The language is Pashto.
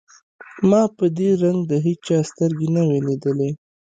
ما په دې رنگ د هېچا سترګې نه وې ليدلې.